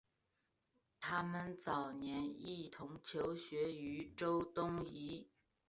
他们早年一同求学于周敦颐。